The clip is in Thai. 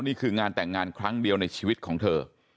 นี่คืองานแต่งงานครั้งเดียวในชีวิตของเธอ